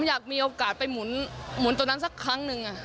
อยากมีโอกาสไปหมุนตรงนั้นสักครั้งหนึ่ง